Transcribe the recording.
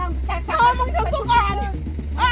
เมื่อมึงชุกกูก่อนนะ